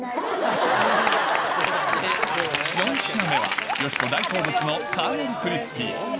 ４品目はよしこ大好物のカーネルクリスピー。